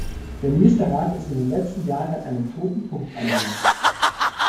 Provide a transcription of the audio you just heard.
Der Ministerrat ist in den letzten Jahren an einem toten Punkt angelangt.